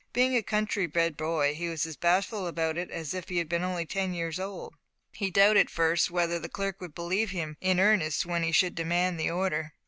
Being a country bred boy, he was as bashful about it as if he had been only ten years old. He doubted, first, whether the clerk would believe him in earnest when he should demand the order.